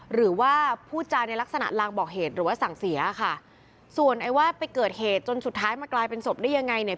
หรือว่าพูดจาในลักษณะลางบอกเหตุหรือว่าสั่งเสียค่ะส่วนไอ้ว่าไปเกิดเหตุจนสุดท้ายมากลายเป็นศพได้ยังไงเนี่ย